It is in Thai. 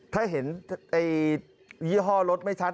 ถ้าเห็นยี่ห้อรถไม่ชัด